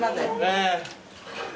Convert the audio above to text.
ええ。